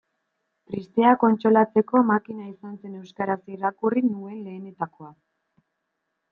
Tristeak kontsolatzeko makina izan zen euskaraz irakurri nuen lehenetakoa.